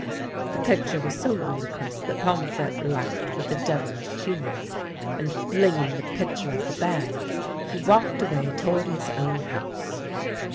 The picture was so ludicrous that Pomfrette laughed with a devilish humour, and flinging the pitcher at the bag, he walked away toward his own house.